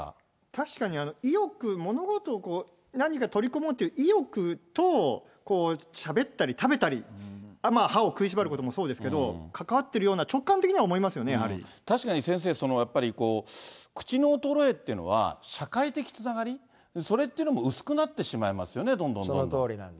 確かに意欲、物事を何か取り組もうっていう意欲と、しゃべったり、食べたり、歯を食いしばることもそうですけど、関わってるような、確かに先生、やっぱり口の衰えっていうのは社会的つながり、それっていうのも薄くなってしまいますよね、どんどんどんどん。